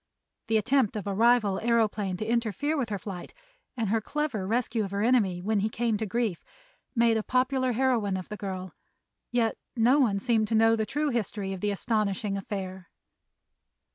The attempt of a rival aëroplane to interfere with her flight and her clever rescue of her enemy when he came to grief made a popular heroine of the girl, yet no one seemed to know the true history of the astonishing affair.